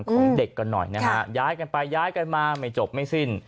ของเด็กกันหน่อยนะฮะย้ายกันไปย้ายกันมาไม่จบไม่สิ้น